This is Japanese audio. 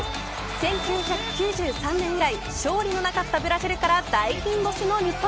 １９９３年以来勝利のなかったブラジルから大金星の日本。